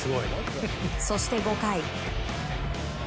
そして５回。